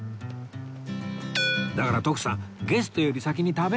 だから徳さんゲストより先に食べないの！